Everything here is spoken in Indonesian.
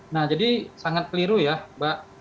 nah jadi sangat keliru ya mbak